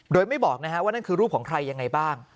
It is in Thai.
โดยไม่บอกว่านั่นคือรูปของใครยังไงบ้าง